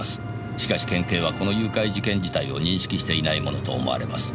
「しかし県警はこの誘拐事件自体を認識していないものと思われます」